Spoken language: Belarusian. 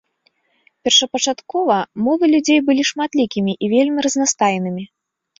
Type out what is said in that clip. Першапачаткова, мовы людзей былі шматлікімі і вельмі разнастайнымі.